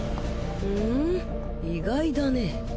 ふん意外だね。